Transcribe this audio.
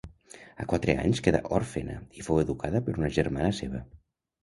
A quatre anys quedà òrfena i fou educada per una germana seva.